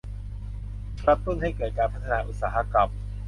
กระตุ้นให้เกิดการพัฒนาอุตสาหกรรม